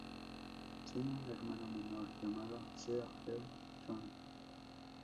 Tiene un hermano menor llamado Seo Eun Chong.